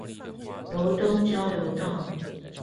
羅東交流道